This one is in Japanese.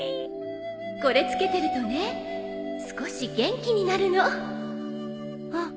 これ付けてるとね少し元気になるのあっ！